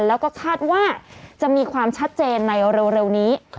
แล้วก็คาดว่าจะมีความชัดเจนในเร็วนี้